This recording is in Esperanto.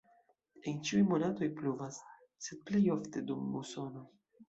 En ĉiuj monatoj pluvas, sed plej ofte dum musono.